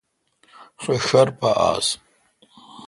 سو ݭر پا آس۔